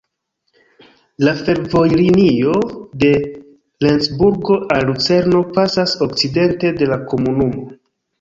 La fervojlinio de Lencburgo al Lucerno pasas okcidente de la komunumo.